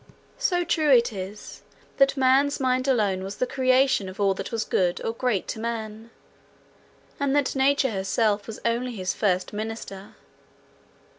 So true it is, that man's mind alone was the creator of all that was good or great to man, and that Nature herself was only his first minister.